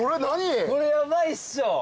これヤバいっしょ。